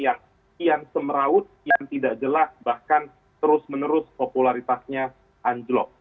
yang kian semeraut kian tidak jelas bahkan terus menerus popularitasnya anjlok